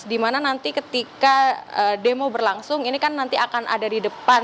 dimana nanti ketika demo berlangsung ini kan nanti akan ada di depan